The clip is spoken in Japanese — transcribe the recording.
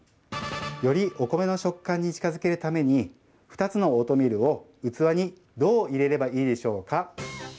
よりお米の食感に近づけるために２つのオートミールを器にどう入れればいいでしょうか？